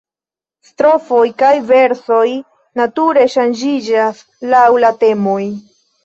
Strofoj kaj versoj nature ŝanĝiĝas laŭ la temoj.